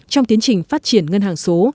trong tiến trình phát triển ngân hàng số